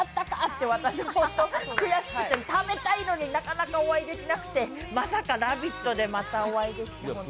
って私、ホント悔しくて、食べたいのになかなかお会いできなくてまさか「ラヴィット！」でまたお会いできるとは。